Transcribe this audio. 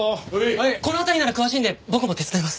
この辺りなら詳しいんで僕も手伝います。